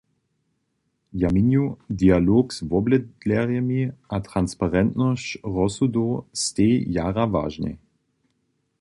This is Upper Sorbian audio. Ja měnju: Dialog z wobydlerjemi a transparentnosć rozsudow stej jara wažnej.